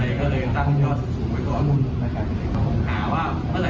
ไม่มีใครมาออกคำถามพวกเขา